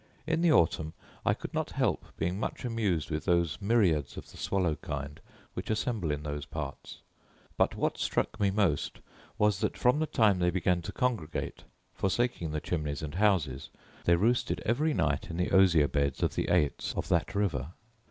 In the autumn, I could not help being much amused with those myriads of the swallow kind which assemble in those parts. But what struck me most was, that, from the time they began to congregate, forsaking the chimneys and houses, they roosted every night in the osier beds of the aits of that river.